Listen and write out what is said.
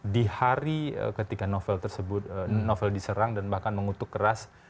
di hari ketika novel diserang dan bahkan mengutuk keras